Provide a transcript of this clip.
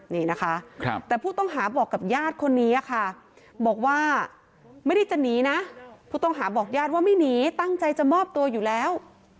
นี่นะคะแต่ผู้ต้องหาบอกกับญาติคนนี้ค่ะบอกว่าไม่ได้จะหนีนะผู้ต้องหาบอกญาติว่าไม่หนีตั้งใจจะมอบตัวอยู่แล้ว